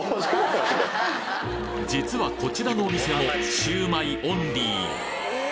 実はこちらのお店もシュウマイオンリー！